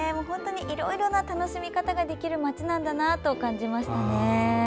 いろいろな楽しみ方ができる町なんだなと感じました。